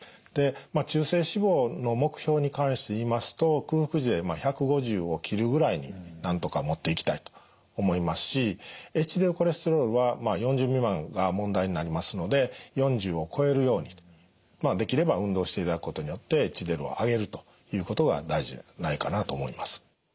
で中性脂肪の目標に関して言いますと空腹時で１５０を切るぐらいになんとかもっていきたいと思いますしＨＤＬコレステロールはまあ４０未満が問題になりますので４０を超えるようにできれば運動していただくことによってＨＤＬを上げるということが大事じゃないかなと思います。